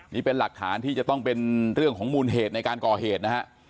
นี่เป็นหลักฐานที่จะต้องเป็นเรื่องของมูลเหตุในการก่อเหตุนะฮะ